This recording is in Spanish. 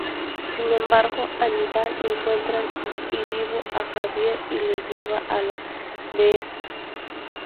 Sin embargo Aníbal encuentra, y vivo, a Javier y le lleva a la dehesa.